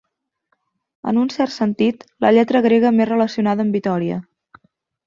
En un cert sentit, la lletra grega més relacionada amb Vitòria.